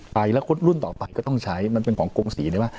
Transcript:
ไปแล้วคนรุ่นต่อไปก็ต้องใช้มันเป็นของกงศรีได้ไหม